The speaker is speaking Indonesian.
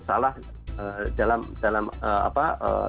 salah dalam apa